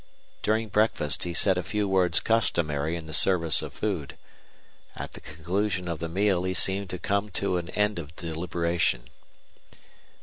During breakfast he said a few words customary in the service of food. At the conclusion of the meal he seemed to come to an end of deliberation.